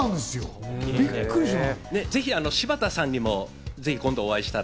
ぜひ、柴田さんにも今度、お会いしたら。